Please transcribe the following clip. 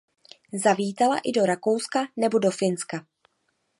Zavítala i do Rakouska nebo do Finska.